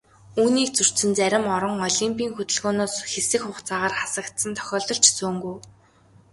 Үүнийг зөрчсөн зарим орон олимпын хөдөлгөөнөөс хэсэг хугацаагаар хасагдсан тохиолдол ч цөөнгүй.